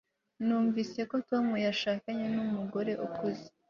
numvise ko tom yashakanye numugore ukize